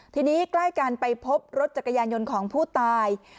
ทีนี้ใกล้กันไปพบรถจักรยานยนต์ของผู้ตาย